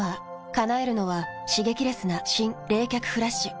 叶えるのは刺激レスな新・冷却フラッシュ。